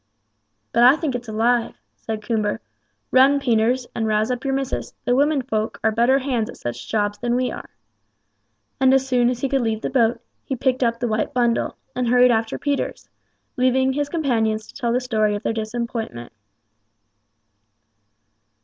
"But I think it's alive," said Coomber. "Run, Peters, and rouse up your missus; the womenfolk are better hands at such jobs than we are;" and as soon as he could leave the boat, he picked up the white bundle, and hurried after Peters, leaving his companions to tell the story of their disappointment.